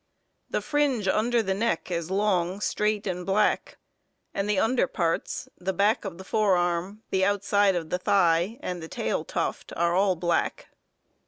The fringe under the neck is long, straight, and black, and the under parts, the back of the fore arm, the outside of thigh, and the tail tuft are all black.